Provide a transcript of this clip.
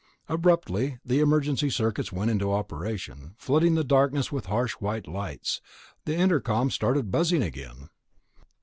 Abruptly the emergency circuits went into operation, flooding the darkness with harsh white lights. The intercom started buzzing again.